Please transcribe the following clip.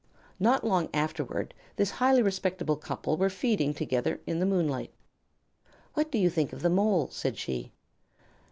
Not long afterward this highly respectable couple were feeding together in the moonlight. "What do you think of the Mole?" said she.